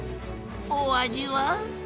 お味は？